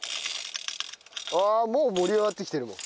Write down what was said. ああもう盛り上がってきてるもん。